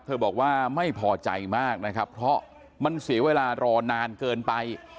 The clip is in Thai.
บอกว่าไม่พอใจมากนะครับเพราะมันเสียเวลารอนานเกินไป